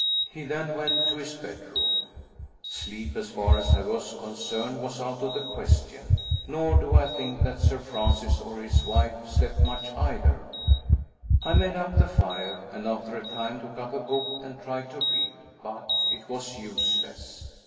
He then went to his bedroom. Sleep, as far as I was concerned, was out of the question, nor do I think that Sir Francis or his wife slept much either. I made up the fire, and after a time took up a book, and tried to read, but it was useless.